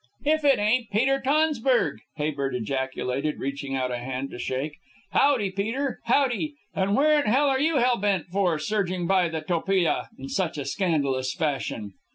"If it ain't Peter Tonsburg!" Habert ejaculated, reaching out a hand to shake. "Howdy, Peter, howdy. And where in hell are you hellbent for, surging by the Topila in such scandalous fashion!"